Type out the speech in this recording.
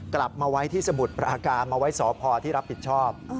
กลับมาไว้ที่สมุทรปราการมาไว้สพที่รับผิดชอบ